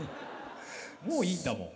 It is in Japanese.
もういいんだもん。